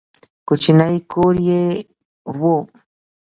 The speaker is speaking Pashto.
کوچنی کور یې و.